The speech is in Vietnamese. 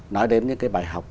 nói đến những cái bài học